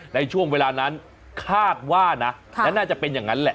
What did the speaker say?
ในช่วงเวลานั้นคาดว่านะและน่าจะเป็นอย่างนั้นแหละ